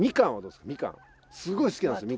すごい好きなんですよ